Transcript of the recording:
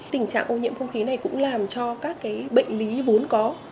tình trạng ô nhiễm không khí này cũng làm cho các bệnh lý vốn có